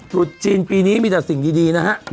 จุดจีนปีนี้มีแต่สิ่งดีนะฮะ